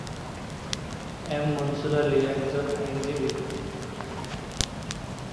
M Mansur Ali একজন আইনজীবী।